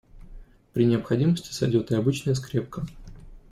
При необходимости сойдёт и обычная скрепка.